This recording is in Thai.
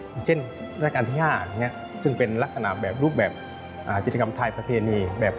อย่างเช่นราการที่๕ตรงนั้นซึ่งเป็นลักษณะแบบที่จิตกรรมไทยประเพโนีก